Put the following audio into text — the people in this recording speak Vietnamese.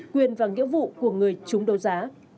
quyền và nghĩa vụ của người chúng đấu giá